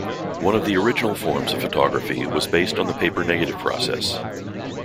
One of the original forms of photography was based on the paper negative process.